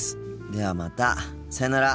ではまたさよなら。